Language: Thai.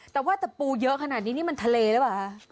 แต่ว่าตะปูเยอะขนาดนี้นี่มันทะเลหรือเปล่าคะ